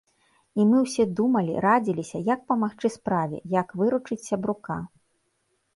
І мы ўсе думалі, радзіліся, як памагчы справе, як выручыць сябрука.